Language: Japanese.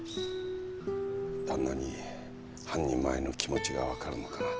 旦那に半人前の気持ちが分かるのかな。